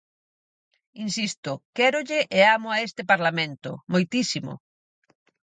Insisto, quérolle e amo a este Parlamento, ¡moitísimo!